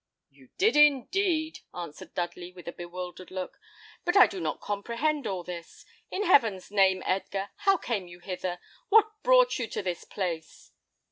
"You did, indeed," answered Dudley, with a bewildered look; "but I do not comprehend all this. In heaven's name, Edgar, how came you hither? What brought you to this place?"